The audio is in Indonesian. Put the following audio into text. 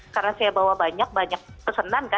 karena saya bawa banyak banyak pesenan kan